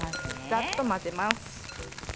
ざっと混ぜます。